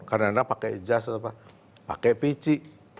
kadang kadang pakai jas pakai pici